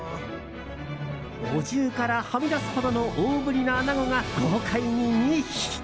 お重からはみ出すほどの大ぶりなアナゴが豪快に２匹。